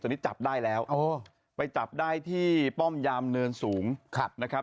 ตอนนี้จับได้แล้วไปจับได้ที่ป้อมยามเนินสูงนะครับ